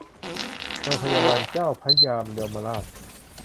โรงพยาบาลเจ้าพระยายมราช